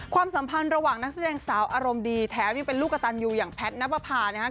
ความสัมพันธ์ระหว่างนักแสดงสาวอารมณ์ดีแถมยังเป็นลูกกระตันยูอย่างแพทย์นับประพานะครับ